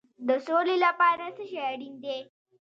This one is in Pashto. د سولې لپاره څه شی اړین دی؟